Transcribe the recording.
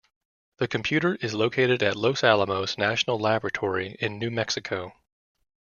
The computer is located at Los Alamos National Laboratory in New Mexico.